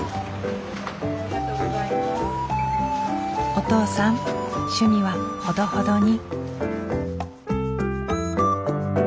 お父さん趣味はほどほどに。